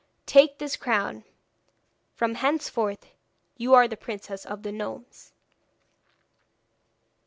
Take this crown, from henceforth you are the Princess of the Gnomes.'